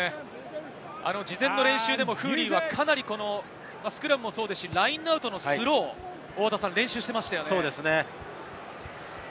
事前の練習でもフーリーは、かなりスクラムもそうですし、ラインアウトのスロー、練習していましたよね。